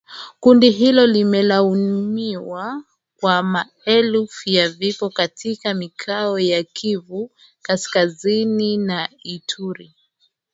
Kundi hilo limelaumiwa kwa maelfu ya vifo katika mikoa ya Kivu Kaskazini na Ituri